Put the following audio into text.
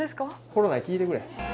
コロナに聞いてくれ。